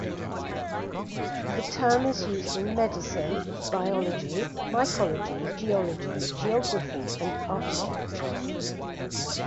The term is used in medicine, biology, mycology, geology, geography and architecture.